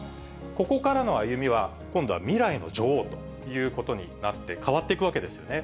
ここからの歩みは、今度は未来の女王ということになって、変わっていくわけですよね。